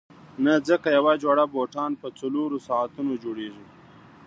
نه ځکه یوه جوړه بوټان په څلورو ساعتونو جوړیږي.